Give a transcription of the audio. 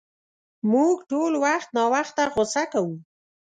مونږ ټول وخت ناوخته غصه کوو.